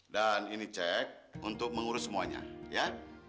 dan ini cek untuk mengurus semuanya ya